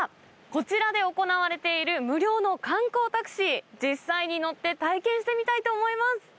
こちらで行われている無料の観光タクシー、実際に乗って体験してみたいと思います。